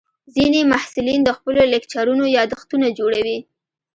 ځینې محصلین د خپلو لیکچرونو یادښتونه جوړوي.